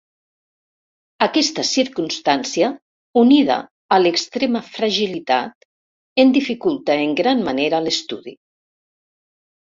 Aquesta circumstància, unida a l'extrema fragilitat en dificulta en gran manera l'estudi.